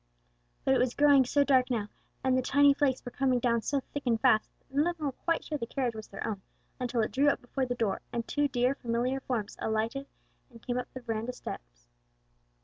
But it was growing so dark now, and the tiny flakes were coming down so thick and fast, that none of them were quite sure the carriage was their own, until it drew up before the door, and two dear familiar forms alighted and came up the veranda steps.